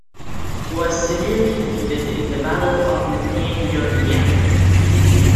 He was severely defeated in the Battle of Myeongryang.